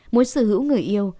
muốn xứ hữu người yêu